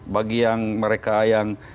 bagi yang mereka yang